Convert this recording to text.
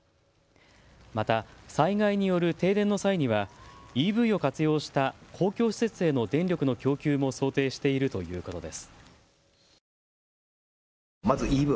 また災害による停電の際にはＥＶを活用した公共施設への電力の供給も想定しているということです。